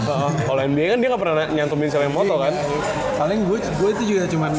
kalau nba kan dia gak pernah nyantumin siapa yang foto anjir kan